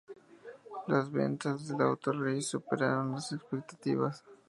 Las ventas del "Auto Race" superaron las expectativas.